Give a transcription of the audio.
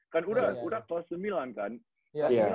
dan kemudian saya tidak punya pembuka saya tidak punya pengamal